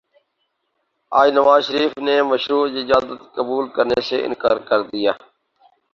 آج نواز شریف نے مشروط اجازت قبول کرنے سے انکار کیا ہے۔